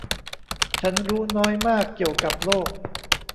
ฉันรู้น้อยมากเกี่ยวกับโลก !